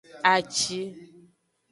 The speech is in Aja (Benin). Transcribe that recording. Aci.